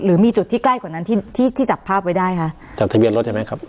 หรือมีจุดที่ใกล้กว่านั้นที่ที่จับภาพไว้ได้คะจากทะเบียนรถใช่ไหมครับ